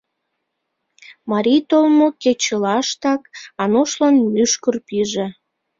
Марий толмо кечылаштак Анушлан мӱшкыр пиже.